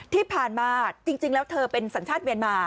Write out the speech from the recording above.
ที่ผ่านมาจริงแล้วเธอเป็นสัญชาติเวียนมา